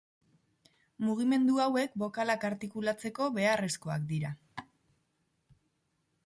Mugimendu hauek bokalak artikulatzeko beharrezkoak dira.